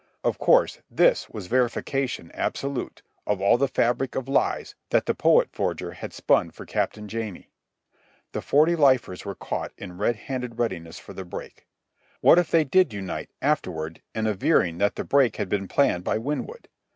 Of course, this was verification absolute of all the fabric of lies that the poet forger had spun for Captain Jamie. The forty lifers were caught in red handed readiness for the break. What if they did unite, afterward, in averring that the break had been planned by Winwood?